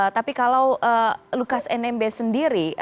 tapi kalau lukas nmb sendiri